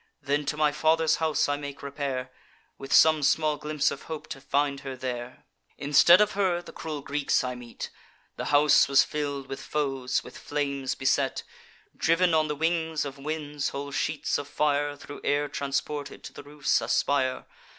Then to my father's house I make repair, With some small glimpse of hope to find her there. Instead of her, the cruel Greeks I met; The house was fill'd with foes, with flames beset. Driv'n on the wings of winds, whole sheets of fire, Thro' air transported, to the roofs aspire.